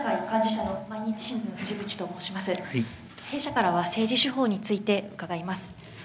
弊社からは政治手法について伺います。